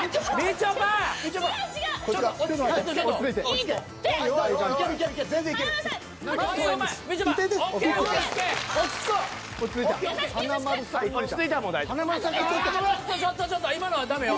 ちょっとちょっとちょっと今のはダメよ。